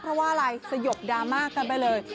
เพราะว่าอะไรสยบดราม่ากันไปเลย